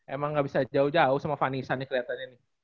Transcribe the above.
emang gak bisa jauh jauh sama vanisanya keliatannya